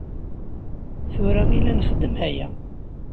Tura i la nxeddem aya.